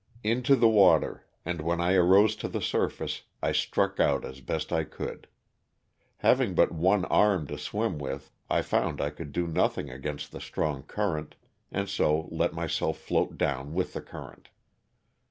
Into the water, and when I arose to the surface I struck out as best I could. Having but one arm to swim with I found I could do nothing against the strong current, and so let myself float down with the current.